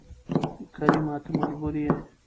کريمه ته مجبوره يې